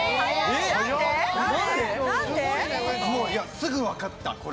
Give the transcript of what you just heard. すぐ分かったこれ。